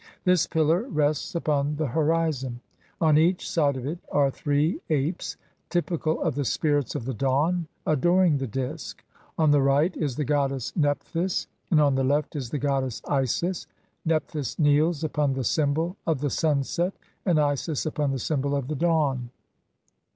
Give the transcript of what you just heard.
This pillar rests upon the horizon. On each side of it are three apes typical of the Spirits of the Dawn, adoring the disk ; on the right is the goddess Nephthys and on the left is the goddess Isis, Nephthys kneels upon the symbol of the sunset, and Isis upon the symbol of the dawn.